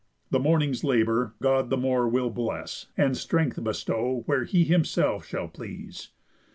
The morning's labour God the more will bless, And strength bestow where he himself shall please.